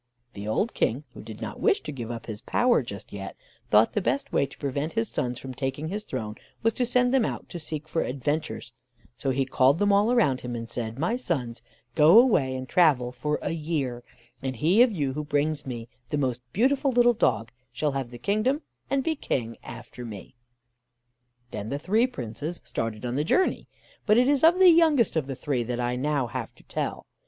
The old King, who did not wish to give up his power just yet, thought the best way to prevent his sons from taking his throne was to send them out to seek for adventures; so he called them all around him, and said: "My sons, go away and travel for a year; and he of you who brings me the most beautiful little dog, shall have the kingdom, and be King after me." Then the three Princes started on the journey; but it is of the youngest of the three that I have now to tell.